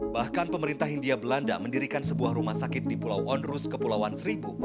bahkan pemerintah hindia belanda mendirikan sebuah rumah sakit di pulau onrus kepulauan seribu